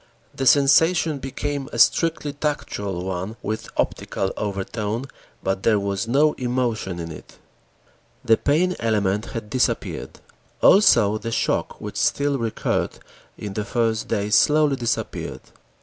The sensation became a strictly tactual one with optical overtone, but there was no emotion in it. The pain element had disappeared. Also the shock, which still recurred in the first days slowly disappeared.